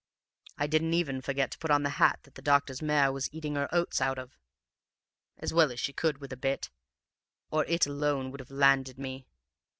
I didn't even forget to put on the hat that the doctor's mare was eating her oats out of, as well as she could with a bit, or it alone would have landed me.